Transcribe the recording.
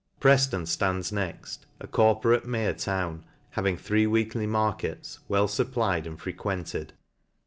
Preflon (rands next, a corporate mayor town, having three weekly markets, well fupplied and fre quented.